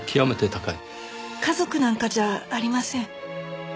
家族なんかじゃありません。